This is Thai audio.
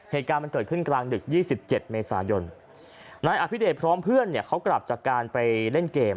เหตุการณ์มันเกิดขึ้นกลางดึกยี่สิบเจ็ดเมษายนนายอภิเดชพร้อมเพื่อนเนี่ยเขากลับจากการไปเล่นเกม